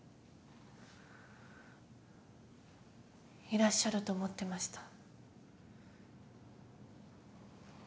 いらっしゃると思ってました。